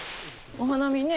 お花見ね。